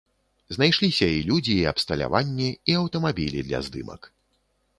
Знайшліся і людзі, і абсталяванне, і аўтамабілі для здымак.